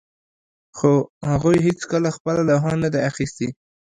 خو هغوی هیڅکله خپله لوحه نه ده اخیستې